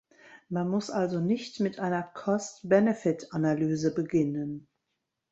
Man muss also nicht mit einer Cost-Benefit-Analyse beginnen.